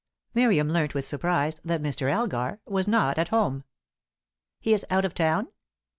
Miriam learnt with surprise that Mr. Elgar was not at home. "He is out of town?"